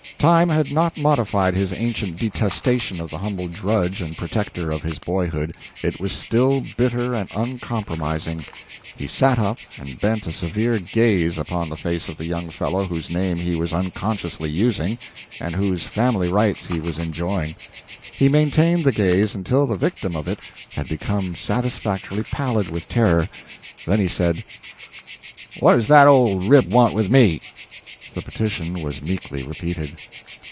Time had not modified his ancient detestation of the humble drudge and protector of his boyhood; it was still bitter and uncompromising. He sat up and bent a severe gaze upon the fair face of the young fellow whose name he was unconsciously using and whose family rights he was enjoying. He maintained the gaze until the victim of it had become satisfactorily pallid with terror, then he said "What does the old rip want with me?" The petition was meekly repeated.